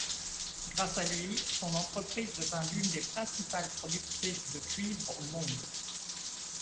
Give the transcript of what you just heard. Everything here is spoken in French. Grâce à lui, son entreprise devint l'une des principales productrices de cuivre au monde.